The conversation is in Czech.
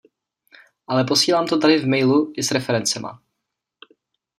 Ale posílám to tady v mailu i s referencema.